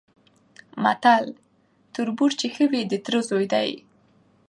متل: تربور چي ښه وي د تره زوی دی؛